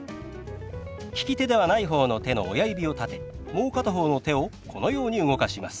利き手ではない方の手の親指を立てもう片方の手をこのように動かします。